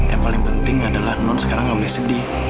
yang paling penting adalah noon sekarang gak boleh sedih